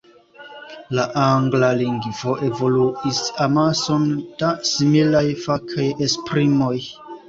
La angla lingvo evoluigis amason da similaj fakaj esprimoj.